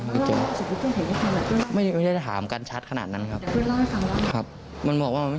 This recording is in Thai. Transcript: ไม่ได้ไม่ได้ถามกันชัดขนาดนั้นครับมันบอกว่ามัน